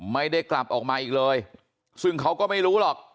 ไม่ได้กลับออกมาอีกเลยซึ่งเขาก็ไม่รู้หรอก